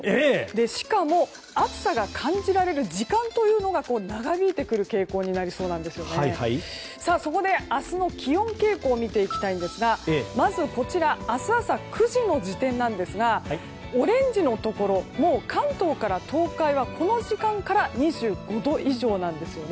しかも暑さが感じられる時間が長引いてくる傾向になりそうでそこで明日の気温傾向を見ていきたいんですがまず明日朝９時時点ですがオレンジのところ関東から東海はこの時間から２５度以上なんです。